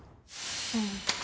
うん。